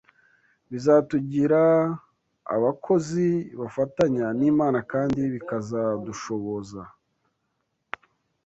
bizatugira abakozi bafatanya n’Imana kandi bikazadushoboza